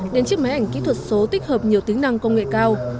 đến chiếc máy ảnh kỹ thuật số tích hợp nhiều tính năng công nghệ cao